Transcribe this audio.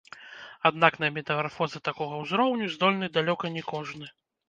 Аднак на метамарфозы такога ўзроўню здольны далёка не кожны.